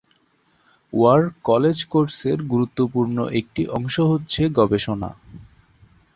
War college কোর্সের গুরুত্বপূর্ণ একটি অংশ হচ্ছে গবেষণা।